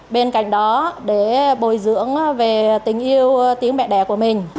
bên cạnh đó để bồi dưỡng về tình yêu tiếng mẹ đẻ của mình